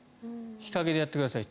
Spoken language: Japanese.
日陰でやってください。